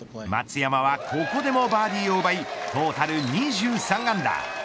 松山はここでもバーディーを奪いトータル２３アンダー。